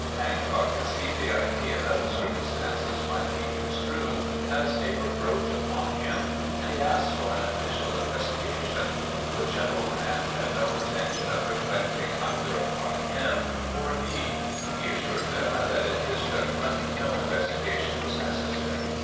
Hancock conceived the idea that the circumstances might be construed as a reproach upon him, and he asked for an official investigation ; but General Grant had no intention of reflecting either upon him or Meade. He assured them that, in his judgment, no investigation was necessary.